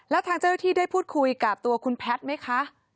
แล้วทางเจ้าหน้าที่ได้พูดคุยกับตัวคุณแพทย์ไหมคะ